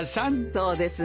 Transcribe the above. そうですね。